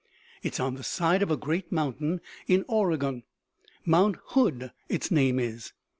It is on the side of a great mountain in Oregon; Mt. Hood its name is.